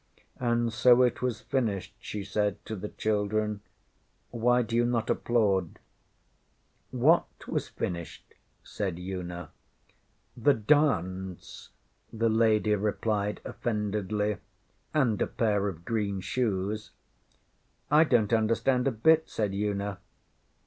ŌĆśAnd so it was finished, ŌĆÖ she said to the children. ŌĆśWhy dŌĆÖyou not applaud? ŌĆÖ ŌĆśWhat was finished? ŌĆÖ said Una. ŌĆśThe dance, ŌĆÖ the lady replied offendedly. ŌĆśAnd a pair of green shoes. ŌĆÖ ŌĆśI donŌĆÖt understand a bit, ŌĆÖ said Una.